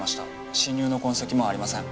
侵入の痕跡もありません。